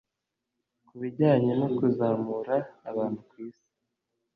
Kubijyanye no kuzamura abantu kwisi,